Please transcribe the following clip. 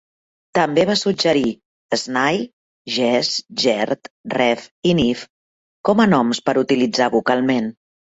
També va suggerir "snie", "jes", "jerd", "reff", i "niff" com a noms per utilitzar vocalment.